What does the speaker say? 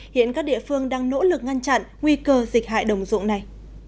hiện các địa phương đang nỗ lực ngăn chặn nguy cơ dịch hại đồng dụng này